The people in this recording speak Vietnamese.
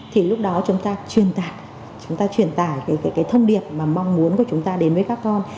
thì lúc đó chúng ta truyền tải chúng ta truyền tải cái thông điệp mà mong muốn của chúng ta đến với các con